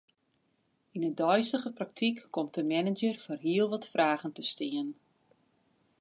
Yn 'e deistige praktyk komt de manager foar heel wat fragen te stean.